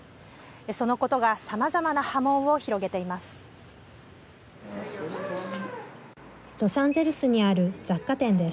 そのことがさまざまな波紋を広げています。